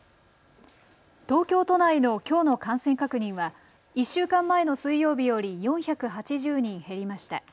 東京都内のきょうの感染確認は１週間前の水曜日より４８０人減りました。